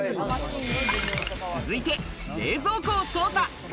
続いて冷蔵庫を捜査！